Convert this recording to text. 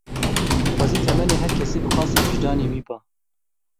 Xwezî temenê her kesî bi qasî wijdanê wî ba.